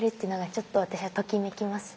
ちょっと私はときめきます。